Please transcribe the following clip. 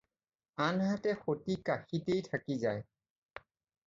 আনহাতে সতী কাশীতেই থাকি যায়।